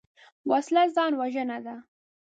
وسله ځان وژنه ده